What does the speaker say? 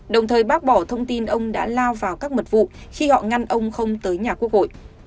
đồng thời bác bỏ thông tin ông đã lao vào các mật vụ khi họ ngăn ông không tới nhà quốc hội